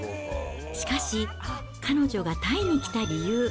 しかし、彼女がタイに来た理由。